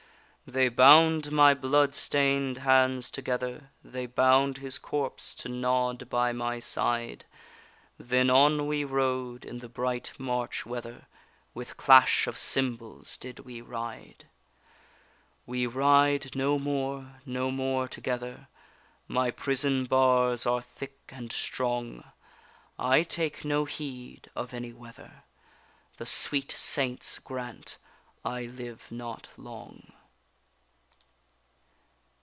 They bound my blood stain'd hands together, They bound his corpse to nod by my side: Then on we rode, in the bright March weather, With clash of cymbals did we ride. We ride no more, no more together; My prison bars are thick and strong, I take no heed of any weather, The sweet Saints grant I live not long.